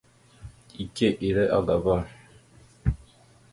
Ike ira agaba.